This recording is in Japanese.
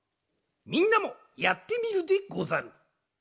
みんなもやってみるでござる。